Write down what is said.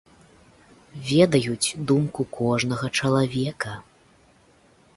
Ведаюць думку кожнага чалавека.